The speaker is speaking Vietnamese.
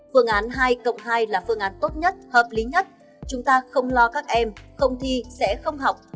phương án hai cộng hai là phương án tốt nhất hợp lý nhất chúng ta không lo các em không thi sẽ không học